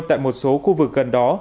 tại một số khu vực gần đó